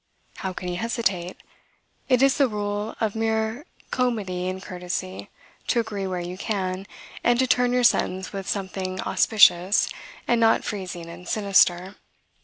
How can he hesitate? It is the rule of mere comity and courtesy to agree where you can, and to turn your sentence with something auspicious, and not freezing and sinister.